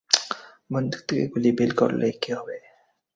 বন্দুক থেকে গুলি বের করলেই কি হবে?